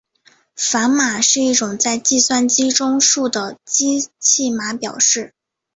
反码是一种在计算机中数的机器码表示。